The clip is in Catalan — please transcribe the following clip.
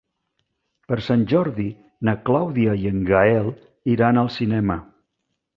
Per Sant Jordi na Clàudia i en Gaël iran al cinema.